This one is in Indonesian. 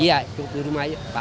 iya cukup di rumah aja pak